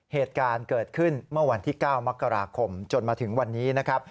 เหตุการณ์เกิดขึ้นเมื่อวันที่๙มกราคมจนมาถึงวันนี้นะครับ